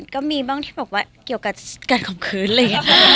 ก็มีบ้างที่บอกว่าเกี่ยวกับการข่อมคืนเลย